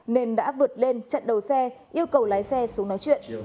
nên đã vượt lên chặn đầu xe yêu cầu lái xe xuống nói chuyện